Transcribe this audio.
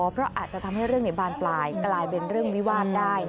เพราะอาจจะทำให้เรื่องในบานปลายกลายเป็นเรื่องวิวาสได้